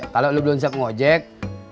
kalau lo belum bisa ngojek